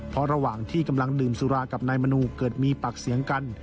เพราะระหว่างที่กำลังดื่มสุรากับนายมนูเกิดมีปากเสียงกัน